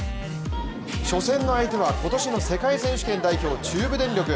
初戦の相手は今年の世界選手権代表・中部電力。